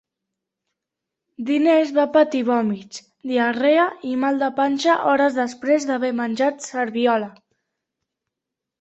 Diners va patir vòmits, diarrea i mal de panxa hores després d'haver menjat serviola.